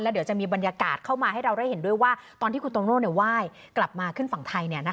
เดี๋ยวจะมีบรรยากาศเข้ามาให้เราได้เห็นด้วยว่าตอนที่คุณโตโน่ไหว้กลับมาขึ้นฝั่งไทย